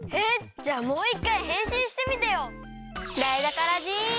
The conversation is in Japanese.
じゃあもういっかいへんしんしてみてよ！